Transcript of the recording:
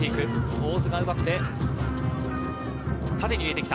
大津が奪って、縦に入れてきた。